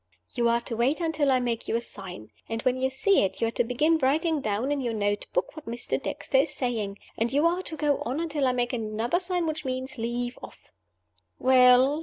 "You are to wait until I make you a sign; and when you see it you are to begin writing down in your note book what Mr. Dexter is saying and you are to go on until I make another sign, which means, Leave off!" "Well?"